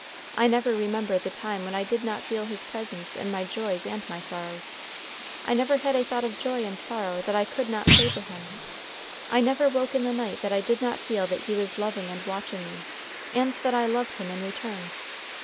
I never remember the time when I did not feel His presence in my joys and my sorrows. I never had a thought of joy and sorrow that I could not say to Him. I never woke in the night that I did not feel that He was loving and watching me, and that I loved Him in return.